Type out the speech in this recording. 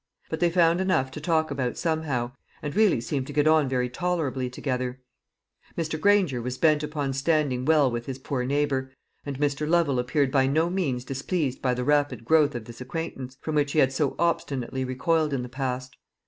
But they found enough to talk about somehow, and really seemed to get on very tolerably together. Mr. Granger was bent upon standing well with his poor neighbour; and Mr. Lovel appeared by no means displeased by the rapid growth of this acquaintance, from which he had so obstinately recoiled in the past.